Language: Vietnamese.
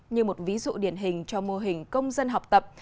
như một ví dụ điển hình cho mô hình công dân học tập